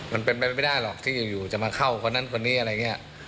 มันเป็นไปไม่ได้หรอกที่อยู่จะมาเข้าคนนั้นคนนี้อะไรอย่างนี้